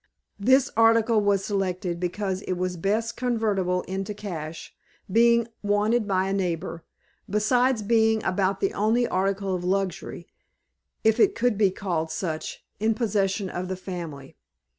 This article was selected because it was best convertible into cash, being wanted by a neighbor, besides being about the only article of luxury, if it could be called such, in possession of the family.